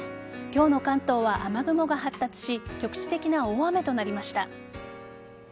今日の関東は雨雲が発達し局地的な大雨となりました。